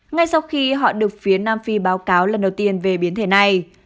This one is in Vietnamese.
ngay sau khi họ được phía nam phi báo cáo lần đầu tiên về biến thể này